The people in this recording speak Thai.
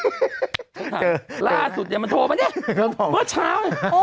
ฉันถามล่าสุดเนี่ยมันโทรมาเนี่ยเมื่อเช้า